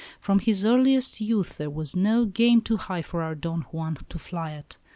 From his earliest youth there was no "game" too high for our Don Juan to fly at.